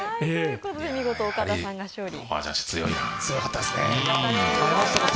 見事、岡田さんが勝利しました。